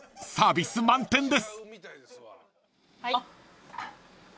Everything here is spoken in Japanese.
サービス満点です］